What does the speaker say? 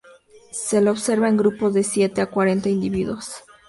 Se lo observa en grupos de siete a cuarenta individuos.